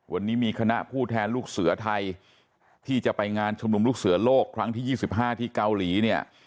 วันนี้มีคณะผู้แทนลูกเสือไทยที่จะไปงานชุมนุมลูกเสือโลกครั้งที่๒๕ที่เกาหลีเนี่ย